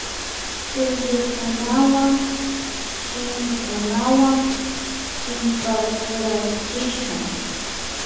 Shuyukunawan shimikunawan chimpapurachishun